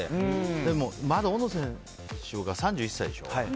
でも、まだ大野選手が３１歳でしょ。